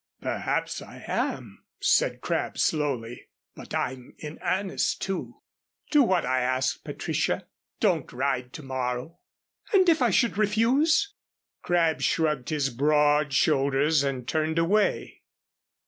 "Perhaps I am," said Crabb, slowly, "but I'm in earnest, too. Do what I ask, Patricia. Don't ride to morrow " "And if I should refuse " Crabb shrugged his broad shoulders and turned away.